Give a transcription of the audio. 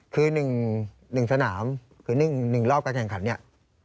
คือ๑สนามคือ๑รอบการแข่งขันเนี่ย